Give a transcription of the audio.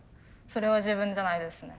それは自分じゃないですね。